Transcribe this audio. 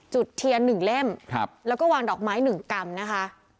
จุดเทียน๑เล่มแล้วก็วางดอกไม้๑กรัมนะคะ